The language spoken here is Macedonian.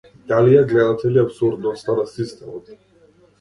Дали ја гледате ли апсурдноста на системот?